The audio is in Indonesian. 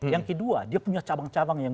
yang kedua dia punya cabang cabang yang